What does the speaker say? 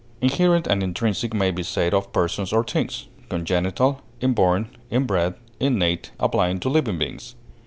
Inherent and intrinsic may be said of persons or things; congenital, inborn, inbred, innate, apply to living beings.